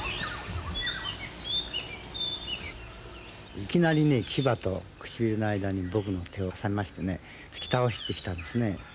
いきなり牙と唇の間に僕の手を挟みましてね突き倒してきたんですね。